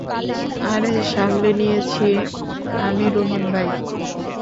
আরে সামলে নিয়েছি আমি রহিম ভাই।